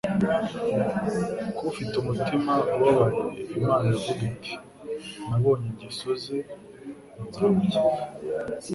Ku ufite umutima ubabaye Imana iravuga iti : «Nabonye ingeso ze nzamukiza,